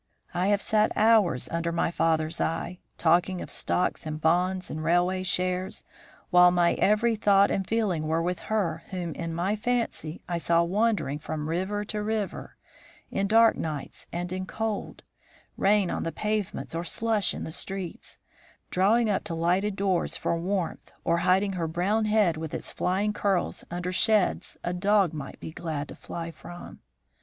I have sat hours under my father's eye, talking of stocks and bonds and railway shares, while my every thought and feeling were with her whom in my fancy I saw wandering from river to river, in dark nights and in cold; rain on the pavements or slush in the streets, drawing up to lighted doors for warmth or hiding her brown head with its flying curls under sheds a dog might be glad to fly from.